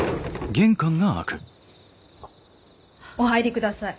お入りください。